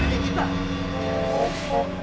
sekarang kita sudah bebas pak